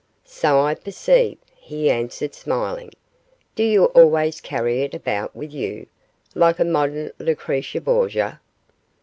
'So I perceive,' he answered, smiling. 'Do you always carry it about with you, like a modern Lucrezia Borgia?